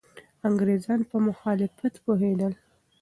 انګریزان په مخالفت پوهېدل.